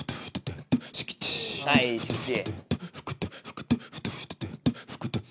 はい敷地。